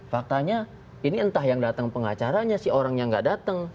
faktanya ini entah yang datang pengacaranya sih orang yang gak datang